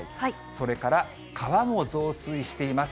それから川も増水しています。